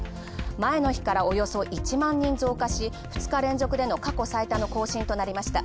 前の日からおよそ１万人増加し、過去最多の更新となりました。